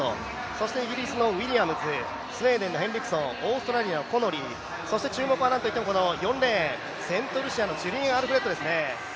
そしてイギリスのウィリアムズスウェーデンのヘンリクソン、オーストラリアのコノリーそしてなんといっても注目は４レーン、セントルシアのジュリエン・アルフレッドですね。